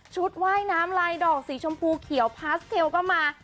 ว่ายน้ำลายดอกสีชมพูเขียวพาสเจลก็มา